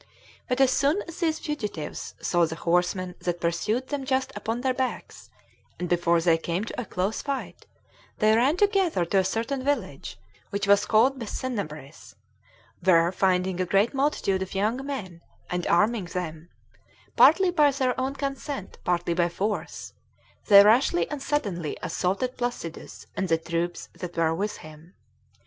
But as soon as these fugitives saw the horsemen that pursued them just upon their backs, and before they came to a close fight, they ran together to a certain village, which was called Bethennabris, where finding a great multitude of young men, and arming them, partly by their own consent, partly by force, they rashly and suddenly assaulted Placidus and the troops that were with him.